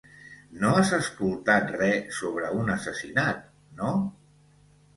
No has escoltat res sobre un assassinat, no?